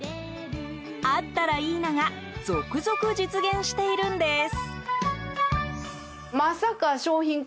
あったらいいなが続々実現しているんです。